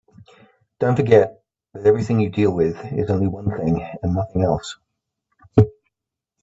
Don't forget that everything you deal with is only one thing and nothing else.